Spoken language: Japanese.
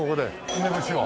梅干しを。